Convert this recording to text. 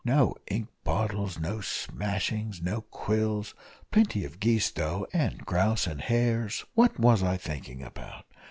no ink bottles, no smashings, no quills, plenty of geese, though, and grouse and hares what was I thinking about?